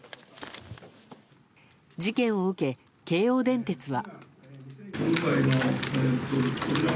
事件を受け、京王電鉄は。